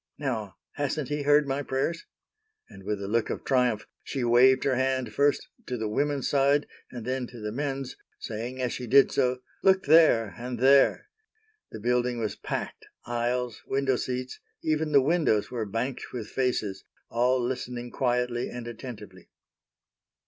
Now, hasn't He heard my prayers?" And with a look of triumph she waved her hand first to the women's side and then to the men's, saying as she did so,—"Look there, and there!" The building was packed, aisles, window seats, even the windows were banked with faces, all listening quietly and attentively.